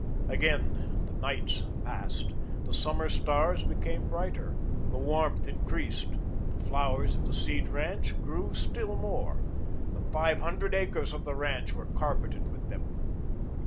Again the nights passed. The summer stars became brighter. The warmth increased. The flowers of the Seed ranch grew still more. The five hundred acres of the ranch were carpeted with them.